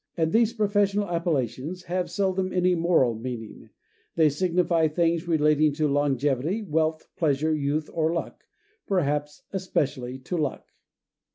And these professional appellations have seldom any moral meaning: they signify things relating to longevity, wealth, pleasure, youth, or luck, perhaps especially to luck.